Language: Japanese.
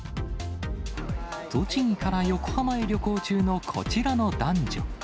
栃木から横浜へ旅行中のこちらの男女。